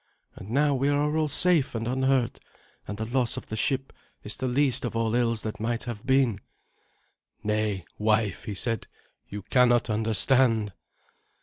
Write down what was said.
And now we are all safe and unhurt, and the loss of the ship is the least of ills that might have been." "Nay, wife," he said; "you cannot understand."